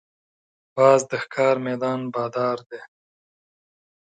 باز د ښکار میدان بادار دی